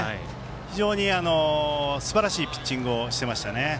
非常にすばらしいピッチングをしていましたね。